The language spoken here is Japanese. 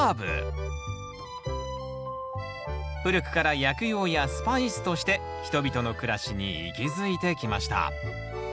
古くから薬用やスパイスとして人々の暮らしに息づいてきました。